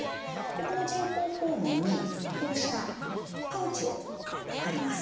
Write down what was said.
この人工肛門にこうしたパウチを貼ります。